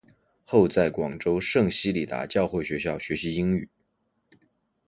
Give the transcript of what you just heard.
后在广州圣希理达教会学校学习英语。